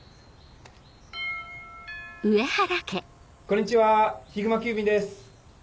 こんにちはヒグマ急便です。